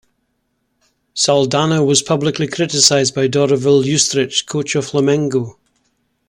Saldanha was publicly criticised by Dorival Yustrich, coach of Flamengo.